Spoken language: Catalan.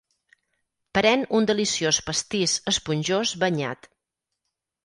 Pren un deliciós pastís esponjós banyat.